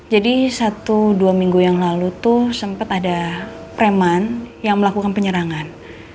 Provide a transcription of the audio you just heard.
jadi satu dua minggu yang lalu tuh sempet ada preman yang melakukan penyerangan